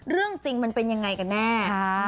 เรื่องจริงมันเป็นยังไงกันแน่